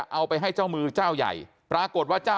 ความปลอดภัยของนายอภิรักษ์และครอบครัวด้วยซ้ำ